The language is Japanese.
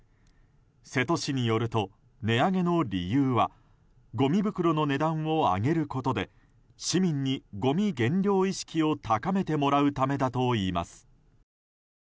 瀬戸市によると値上げの理由はごみ袋の値段を上げることで市民に、ごみ減量意識を高めてもらうためだといいます。